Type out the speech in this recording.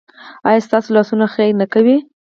ایا ستاسو لاسونه خیر نه کوي؟